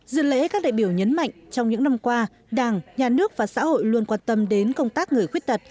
dự lễ các đại biểu nhấn mạnh trong những năm qua đảng nhà nước và xã hội luôn quan tâm đến công tác người khuyết tật